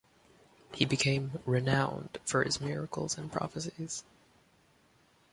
He became renowned for his miracles and prophecies.